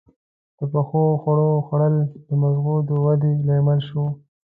• د پخو خوړو خوړل د مغزو د ودې لامل شول.